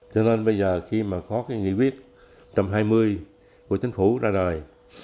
cho nên bây giờ khi mà có cái nghị quyết một trăm hai mươi của chính phủ ra đời